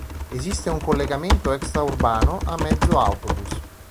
Esiste un collegamento extraurbano, a mezzo autobus.